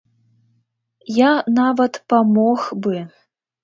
Я нават памог бы.